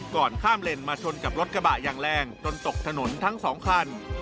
ก่อนข้ามเลนมาชนกับรถกระบะอย่างแรงจนตกถนนทั้งสองคัน